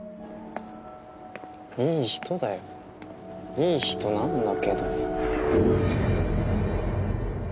いい人だよいい人なんだけど。